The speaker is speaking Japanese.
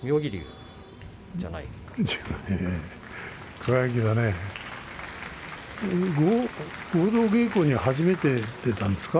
輝は合同稽古に初めて出たんですか？